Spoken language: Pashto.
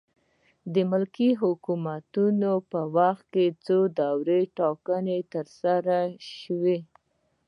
ملکي حکومتونو په وخت کې څو دورې ټاکنې ترسره شوې.